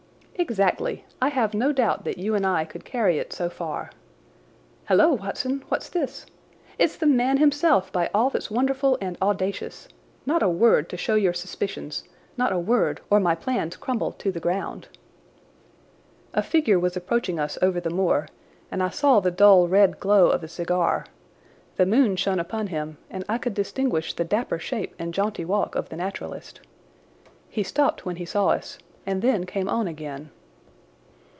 "Exactly. I have no doubt that you and I could carry it so far. Halloa, Watson, what's this? It's the man himself, by all that's wonderful and audacious! Not a word to show your suspicions—not a word, or my plans crumble to the ground." A figure was approaching us over the moor, and I saw the dull red glow of a cigar. The moon shone upon him, and I could distinguish the dapper shape and jaunty walk of the naturalist. He stopped when he saw us, and then came on again.